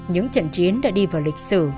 những trận chiến đã đi vào lịch sử